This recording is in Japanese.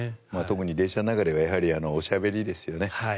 特に電車の中ではやはりおしゃべりですよね。